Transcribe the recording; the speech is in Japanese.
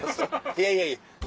いやいやいや。